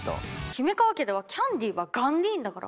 姫川家ではキャンディーはガンディーンだから。